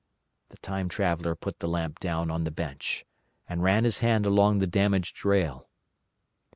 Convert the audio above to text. The Time Traveller put the lamp down on the bench, and ran his hand along the damaged rail.